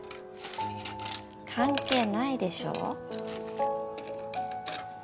関係ないでしょう。